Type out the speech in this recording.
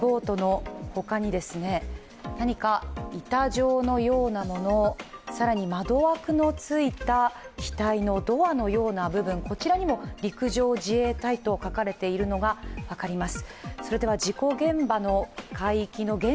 板状のようなもの、さらに窓枠のついた機体のドアのような部分、こちらにも陸上自衛隊と書かれているのが分かります。